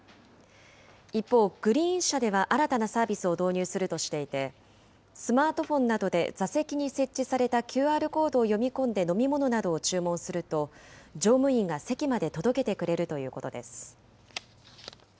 一方、グリーン車では新たなサービスを導入するとしていて、スマートフォンなどで座席に設置されたＱＲコードを読み込んで飲み物などを注文すると、乗務員が席まで届けてくれるということです。